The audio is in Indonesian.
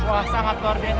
wah sangat kordes